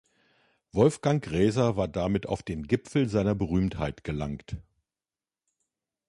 Wolfgang Graeser war damit auf den Gipfel seiner Berühmtheit gelangt.